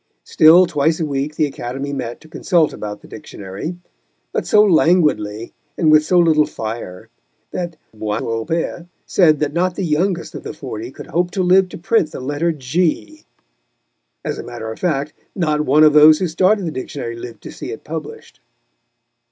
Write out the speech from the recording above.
Still twice a week the Academy met to consult about the Dictionary, but so languidly and with so little fire, that Boisrobert said that not the youngest of the Forty could hope to live to print the letter G. As a matter of fact, not one of those who started the Dictionary lived to see it published.